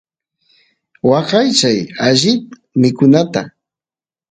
waqaychay alli mikunata